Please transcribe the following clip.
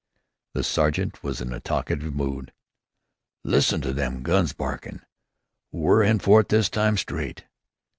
The sergeant was in a talkative mood. "Lissen to them guns barkin'! We're in for it this time, straight!"